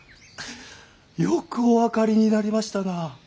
よくお分かりになりましたな。